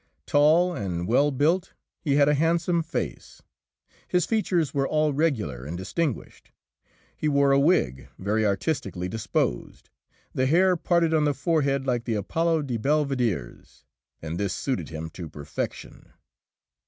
Tall and well built, he had a handsome face; his features were all regular and distinguished. He wore a wig very artistically disposed, the hair parted on the forehead like the Apollo di Belvedere's, and this suited him to perfection.